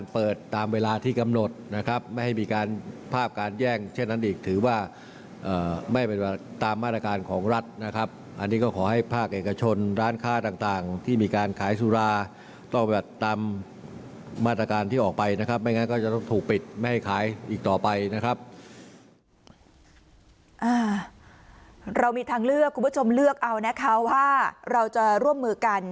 เรามีทางเลือกคุณผู้ชมเลือกเอานะคะว่าเราจะร่วมมือกัน